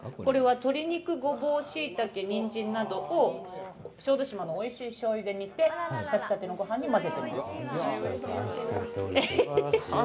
鶏肉、ごぼうしいたけ、にんじんなどを小豆島のおいしいしょうゆで煮て炊きたてのごはんに混ぜてます。